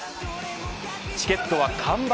チケットは完売。